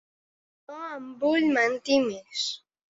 No em vull mentir més.